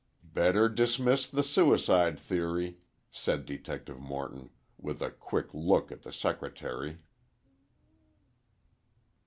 "Better dismiss the suicide theory," said Detective Morton, with a quick look at the secretary.